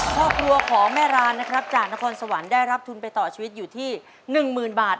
ฮของแม่ร้านจากนครสวรรค์ได้รับทุนไปต่อชีวิตอยู่ที่๑๐๐๐๐บาท